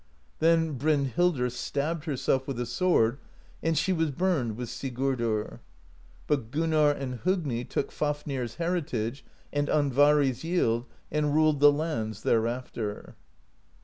Then Brynhildr stabbed herself with a sword, and she was burned with Sigurdr; but Gunnarr and Hogni took Fafnir's heritage and Andvari's Yield, and ruled the lands thereafter.